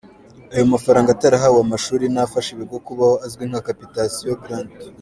Ayo mafaranga atarahawe amashuri ni afasha ibigo kubaho azwi nka ’capitation grant’.